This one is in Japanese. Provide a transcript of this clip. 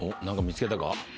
何か見つけたか？